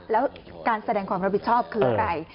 แล้วการแสดงความรับผิดชอบคืออะไร